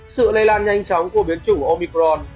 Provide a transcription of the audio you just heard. sự lây lan nhanh chóng của biến chủ omicron